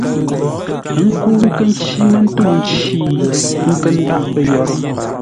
Ə́ nkə́u nkə́ ncí mə́ ntə̂u nci, ə́ nkə́ ndáʼ pə́ yórə́.